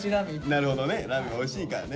なるほどねラーメンおいしいからね。